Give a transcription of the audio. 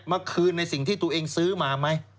มาคืนในสิ่งที่ตัวเองซื้อมาไหม